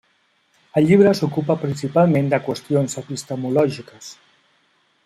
El llibre s'ocupa principalment de qüestions epistemològiques.